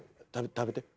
食べて。